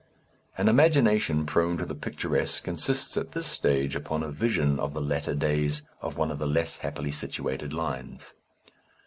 An imagination prone to the picturesque insists at this stage upon a vision of the latter days of one of the less happily situated lines.